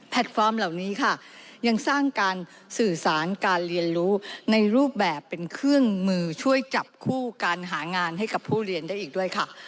ฟอร์มเหล่านี้ค่ะยังสร้างการสื่อสารการเรียนรู้ในรูปแบบเป็นเครื่องมือช่วยจับคู่การหางานให้กับผู้เรียนได้อีกด้วยค่ะ